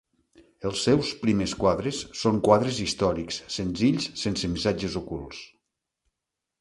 Els seus primer quadres són quadres històrics senzills sense missatges ocults.